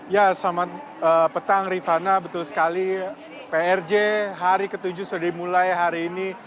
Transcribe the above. ya selamat petang rifana betul sekali prj hari ke tujuh sudah dimulai hari ini